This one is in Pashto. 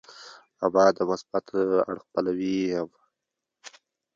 اما د مثبت اړخ پلوی یې یم.